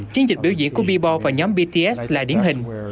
chiến dịch biểu diễn của billboard và nhóm bts lại điển hình